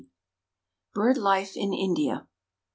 BIRD LIFE IN INDIA.